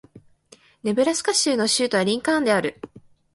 ネブラスカ州の州都はリンカーンである